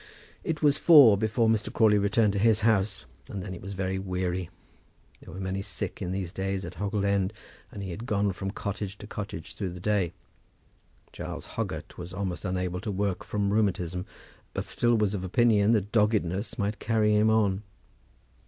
It was four before Mr. Crawley returned to his house, and then he was very weary. There were many sick in these days at Hoggle End, and he had gone from cottage to cottage through the day. Giles Hoggett was almost unable to work from rheumatism, but still was of opinion that doggedness might carry him on.